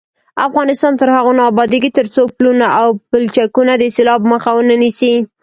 افغانستان تر هغو نه ابادیږي، ترڅو پلونه او پلچکونه د سیلاب مخه ونه نیسي.